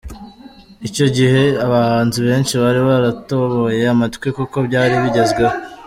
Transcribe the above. Icyo gihe abahanzi benshi bari baratoboye amatwi kuko byari bigezweho.